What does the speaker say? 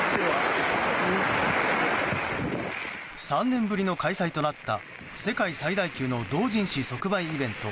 ３年ぶりの開催となった世界最大級の同人誌即売イベント